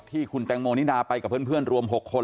ที่คุณแตงโมนิดาไปกับเพื่อนรวม๖คน